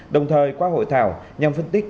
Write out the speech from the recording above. đồng thời qua hội thảo nhằm phân tích